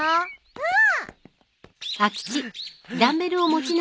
うん。